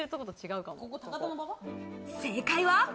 正解は。